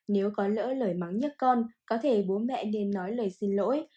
nếu có lỡ lời mắng nhắc con có thể bố mẹ nên nói lời xin lỗi